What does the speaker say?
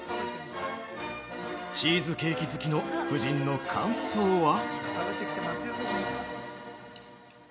チーズケーキ好きの夫人の感想は？